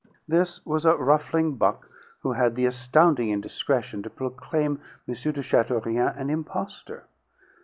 This was a ruffling buck who had the astounding indiscretion to proclaim M. de Chateaurien an impostor.